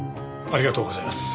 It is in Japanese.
ありがとうございます。